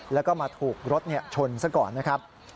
แล้วก็มาถูกรถชนซะก่อนนะครับ